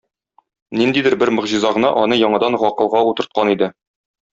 Ниндидер бер могҗиза гына аны яңадан гакылга утырткан иде...